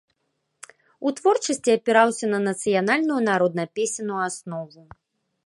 У творчасці апіраўся на нацыянальную народна-песенную аснову.